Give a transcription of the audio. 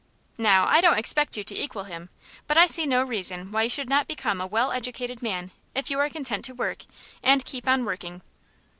Now, I don't expect you to equal him, but I see no reason why you should not become a well educated man if you are content to work, and keep on working."